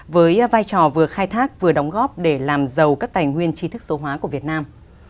với vai trò vừa khai thác vừa đóng góp để làm giàu các tài nguyên trí thức số hóa của việt nam